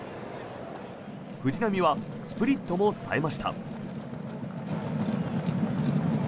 藤浪はスプリットも冴えました。